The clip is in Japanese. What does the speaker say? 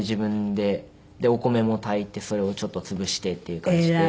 でお米も炊いてそれをちょっと潰してっていう感じで。